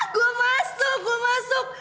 gue masuk gue masuk